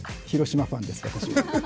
広島ファンです。